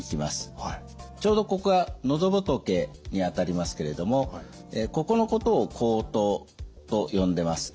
ちょうどここが喉仏にあたりますけれどもここのことを喉頭と呼んでます。